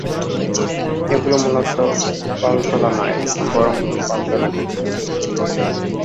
এগুলি মূলত পালতোলা নয়, বরং পালতোলা জাহাজ।